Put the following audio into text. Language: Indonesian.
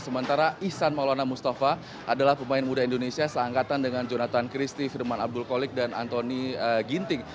sementara ihsan maulana mustafa adalah pemain muda indonesia seangkatan dengan jonathan christie firman abdul kolik dan antoni ginting